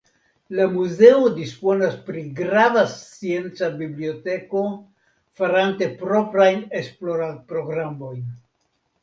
La muzeo disponas pri grava scienca biblioteko farante proprajn esploradprogramojn.